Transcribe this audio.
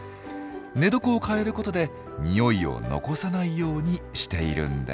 寝床を替えることで匂いを残さないようにしているんです。